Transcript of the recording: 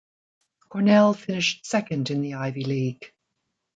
Cornell finished second in the Ivy League.